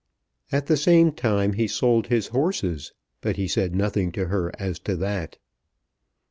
At the same time he sold his horses, but he said nothing to her as to that.